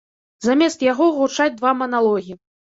Замест яго гучаць два маналогі.